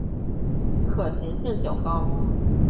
可行性较高